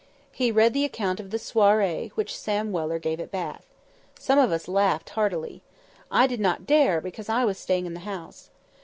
He read the account of the "swarry" which Sam Weller gave at Bath. Some of us laughed heartily. I did not dare, because I was staying in the house.